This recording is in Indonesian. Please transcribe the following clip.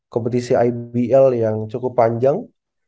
kompetisi ibl yang cukup panjang